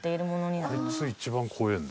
あいつ一番怖えんだ。